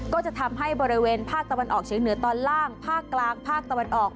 ก็จะทำให้บริเวณภาคตะวันออกเฉียงเหนือตอนล่างภาคกลางภาคตะวันออก